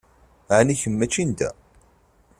Ɛni kemm mačči n da?